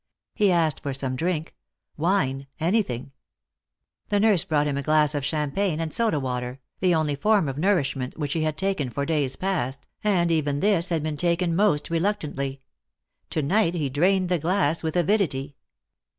He asked for some drink — wine — anything. The nurse brought him a glass of champagne and soda water, the only form of nourishment which he had taken for days past, and even this had been taken most reluctantly. To night he drained the glass with avidity.